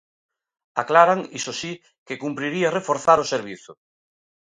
Aclaran, iso si, que cumpriría reforzar o servizo.